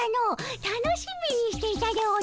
楽しみにしていたでおじゃる。